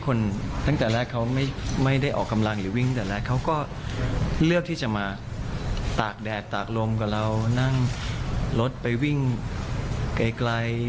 เขาอยู่กับเรานั่งรถไปวิ่งไกล